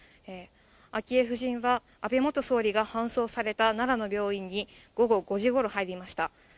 昭恵夫人は、安倍元総理が搬送された奈良の病院に午後５時ごろ入りました。